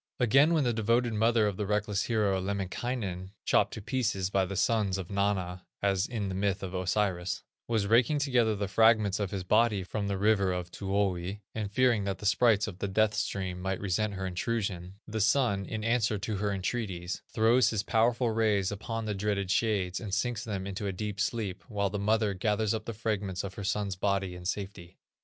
Again when the devoted mother of the reckless hero, Lemminkainen, (chopped to pieces by the Sons Of Mana, as in the myth of Osiris) was raking together the fragments of his body from the river of Tuoni, and fearing that the sprites of the Death stream might resent her intrusion, the Sun, in answer to her entreaties, throws his Powerful rays upon the dreaded Shades, and sinks them into a deep sleep, while the mother gathers up the fragments of her son's body in safety.